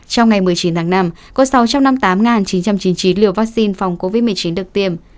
trong ngày một mươi chín tháng năm có sáu trăm năm mươi tám chín trăm chín mươi chín liều vaccine phòng covid một mươi chín được tiêm